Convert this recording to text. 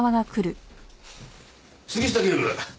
杉下警部！